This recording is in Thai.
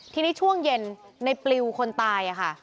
ทีนี้ช่วงเย็นในปลิวคนตายค่ะ